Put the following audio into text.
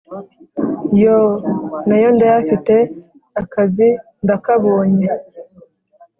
yoooh, nayo ndayafite, akazi ndakabonye